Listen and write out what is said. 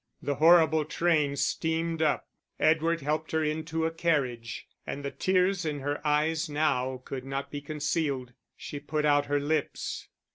The horrible train steamed up; Edward helped her into a carriage, and the tears in her eyes now could not be concealed. She put out her lips.